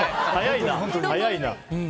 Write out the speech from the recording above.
早いな。